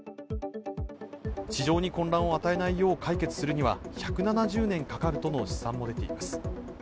市場に混乱を与えないよう解決するには１７０年かかるとの試算も出ています。